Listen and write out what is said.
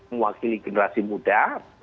mewakili generasi muda